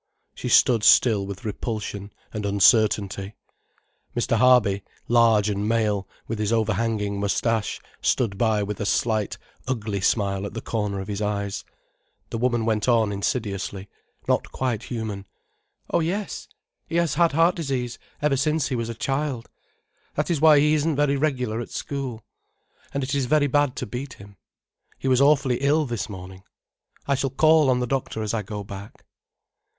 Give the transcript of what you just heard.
She stood still with repulsion and uncertainty. Mr. Harby, large and male, with his overhanging moustache, stood by with a slight, ugly smile at the corner of his eyes. The woman went on insidiously, not quite human: "Oh, yes, he has had heart disease ever since he was a child. That is why he isn't very regular at school. And it is very bad to beat him. He was awfully ill this morning—I shall call on the doctor as I go back."